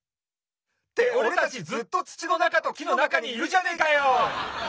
っておれたちずっとつちのなかときのなかにいるじゃねえかよ！